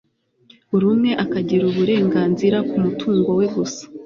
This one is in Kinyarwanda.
buri umwe akagira uburenganzira ku mutungo we gusa